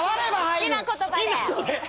好きな言葉で。